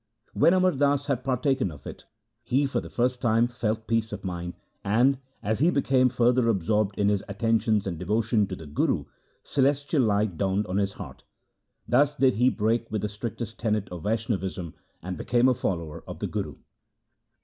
When Amar Das had partaken of it, he for the first time felt peace of mind, and, as he became further absorbed in his attentions and devotion to the Guru, celestial light dawned on his heart. Thus did he break with the strictest tenet of Vaishnavism and become a follower of the Guru.